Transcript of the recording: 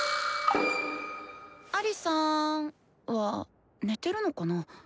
アリさん？は寝てるのかな？